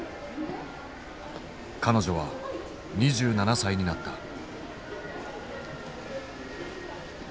彼女は２７歳になった。